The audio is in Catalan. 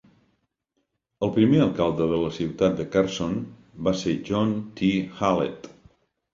El primer alcalde de la ciutat de Carson va ser John T. Hallett.